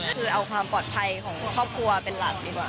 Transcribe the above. คือเอาความปลอดภัยของครอบครัวเป็นหลักดีกว่า